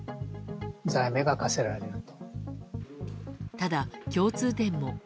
ただ、共通点も。